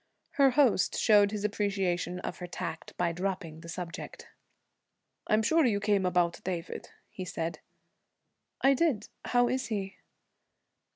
Her host showed his appreciation of her tact by dropping the subject. 'I'm sure you came about David,' he said. 'I did. How is he?'